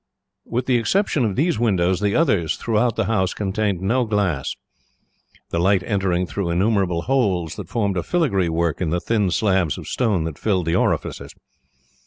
With the exception of these windows, the others throughout the house contained no glass, the light entering through innumerable holes that formed a filigree work in the thin slabs of stone that filled the orifices.